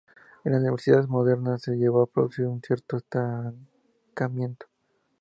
En las universidades modernas se llegó a producir un cierto estancamiento.